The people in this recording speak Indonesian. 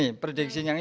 ini prediksinya ini